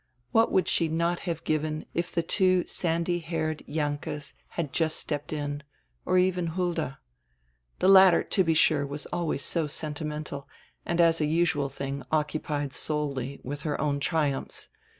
What would she not have given if the two sandy haired Jahnkes had just stepped in, or even Hulda? The latter, to be sure, was always so sentimental and as a usual tiling occupied solely with her own triumphs.